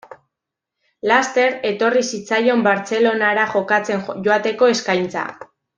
Laster etorri zitzaion Bartzelonara jokatzen joateko eskaintza.